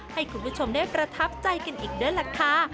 ให้คุณผู้ชมได้ประทับใจกันอีกด้วยล่ะค่ะ